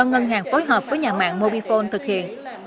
chị là một người đàn ông phối hợp với nhà mạng mobifone thực hiện